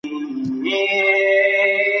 شاعره ياره